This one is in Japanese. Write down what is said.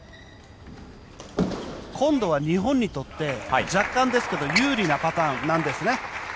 今度は日本にとって若干ですけど有利なパターンなんですね。